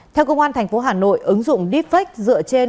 theo công an tp hà nội ứng dụng defect dựa trên